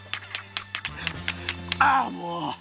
ああもう！